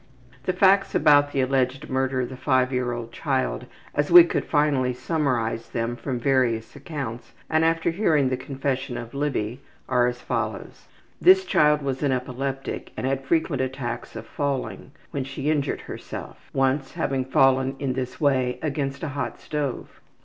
The facts about the alleged murder of the five year old child as we could finally summarize them from various accounts, and after hearing the confession of Libby, are as follows. This child was an epileptic and had frequent attacks of falling, when she injured herself, once having fallen in this way against a hot stove.